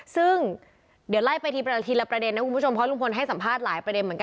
ซึ่งเดี๋ยวไล่ไปทีละประเด็นนะคุณผู้ชมเพราะลุงพลให้สัมภาษณ์หลายประเด็นเหมือนกัน